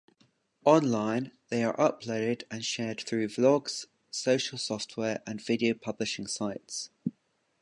Online, they are uploaded and shared through vlogs, social software, and video publishing sites.